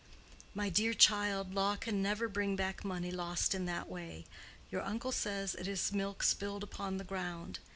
"My dear child, law can never bring back money lost in that way. Your uncle says it is milk spilled upon the ground.